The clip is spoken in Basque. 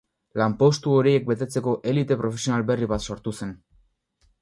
Lanpostu horiek betetzeko elite profesional berri bat sortu zen.